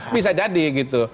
bisa jadi gitu